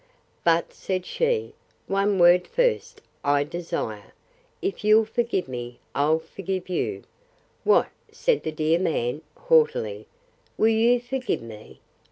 —But, said she, One word first, I desire.—If you'll forgive me, I'll forgive you.—What, said the dear man, haughtily, will you forgive me?